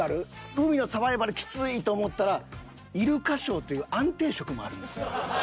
海のサバイバルきついと思ったらイルカショーという安定職もあるんですよ。